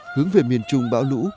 hướng về miền trung bão lũ